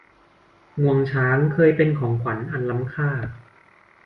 งวงช้างเคยเป็นของขวัญอันล้ำค่า